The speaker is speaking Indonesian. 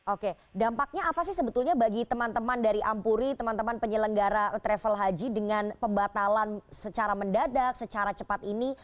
oke dampaknya apa bagi teman teman dari ampuri penyelenggara travel haji dengan pembatalan secara mendadak secara cepat ini